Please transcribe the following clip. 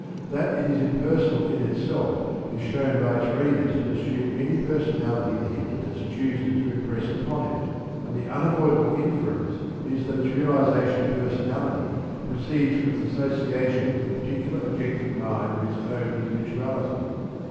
That it is impersonal in itself is shown by its readiness to assume any personality the hypnotist chooses to impress upon it; and the unavoidable inference is that its realization of personality proceeds from its association with the particular objective mind of its own individuality.